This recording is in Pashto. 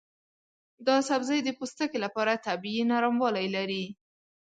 دا سبزی د پوستکي لپاره طبیعي نرموالی لري.